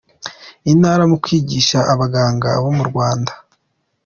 Intara mu kwigisha abaganga bo mu Rwanda